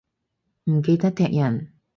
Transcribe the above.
唔記得踢人